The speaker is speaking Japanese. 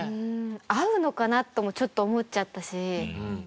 合うのかな？ともちょっと思っちゃったし。